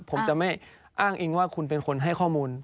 ผมจะไม่อ้างอิงว่าคุณเป็นคนให้ข้อมูล